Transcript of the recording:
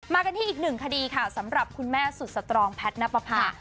กันที่อีกหนึ่งคดีค่ะสำหรับคุณแม่สุดสตรองแพทย์ณปภา